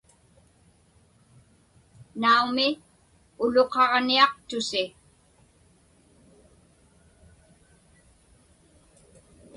Naumi, uluqaġniaqtusi.